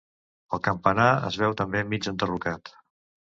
El campanar es veu també mig enderrocat.